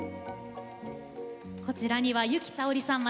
こちらには由紀さおりさん